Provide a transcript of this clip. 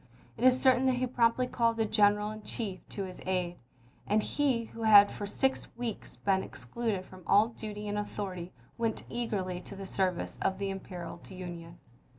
It is certain that he promptly called the General in Chief to his aid, and he who had for six weeks been ex cluded from all duty and authority went eagerly to the service of the imperiled Union.